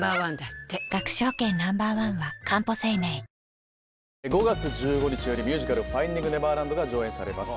よせーの５月１５日よりミュージカル「ファインディング・ネバーランド」が上演されます